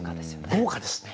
豪華ですね。